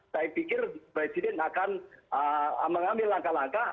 saya pikir presiden akan mengambil langkah langkah